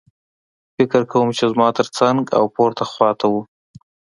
فکر کوم چې زما ترڅنګ او پورته خوا ته وو